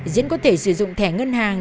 diễn có thể sử dụng thẻ ngân hàng